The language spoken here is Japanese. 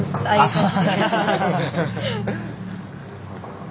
そう。